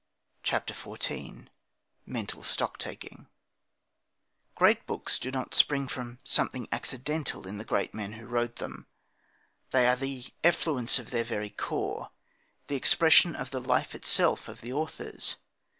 CHAPTER XIV MENTAL STOCKTAKING Great books do not spring from something accidental in the great men who wrote them. They are the effluence of their very core, the expression of the life itself of the authors.